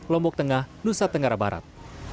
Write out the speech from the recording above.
lombok tengah nusa tenggara barat